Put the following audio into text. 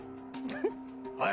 はい。